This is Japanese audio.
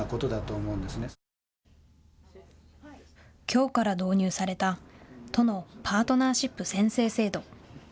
きょうから導入された都のパートナーシップ宣誓制度。